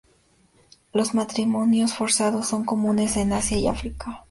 Los matrimonios forzados son comunes en Asia y África.